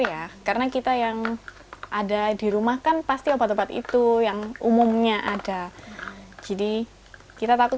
ya karena kita yang ada di rumah kan pasti obat obat itu yang umumnya ada jadi kita takut